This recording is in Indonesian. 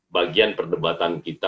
bagian perdebatan kita